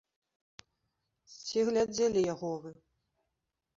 Ці глядзелі яго вы?